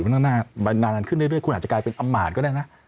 มันตั้งนานขึ้นเรื่อยคุณอาจจะกลายเป็นอำมาตย์ก็ได้นะ